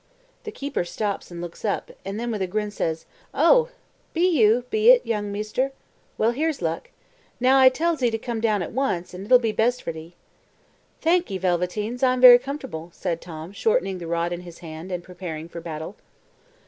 The keeper stops and looks up, and then with a grin says: "Oh! be you, be it, young measter? Well, here's luck. Now I tells 'ee to come down at once, and 't'll be best for 'ee." "Thank 'ee, Velveteens, I'm very comfortable," said Tom, shortening the rod in his hand, and preparing for battle.